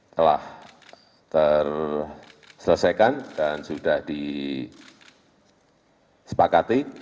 telah terselesaikan dan sudah disepakati